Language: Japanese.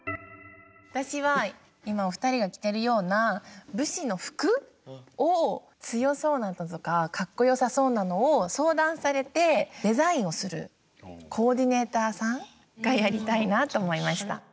私は今お二人が着てるような武士の服？を強そうなのとかかっこよさそうなのを相談されてデザインをするコーディネーターさんがやりたいなあと思いました。